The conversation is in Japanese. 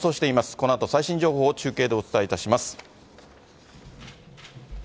このあと最新情報を中継でお伝えいたします。